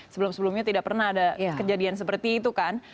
sebelum sebelumnya tidak pernah ada kejadian seperti itu kan